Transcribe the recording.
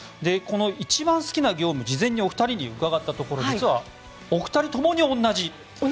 一番好きな業務事前にお二人に伺ったところ実はお二人ともに同じ。